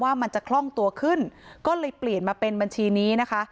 มันจะคล่องตัวขึ้นก็เลยเปลี่ยนมาเป็นบัญชีนี้นะคะ